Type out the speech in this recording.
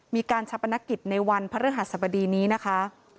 มีการชับอนักกิจในวันพระเรื่องหัศบดีนี้นะคะ